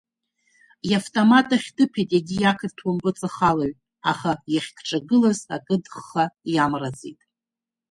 Иавтомат ахь дыԥеит егьи ақырҭуа мпыҵахалаҩ, аха иахьгҿагылаз акыдхха иамраӡеит.